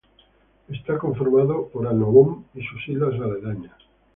Está conformado por Annobón y sus islas aledañas.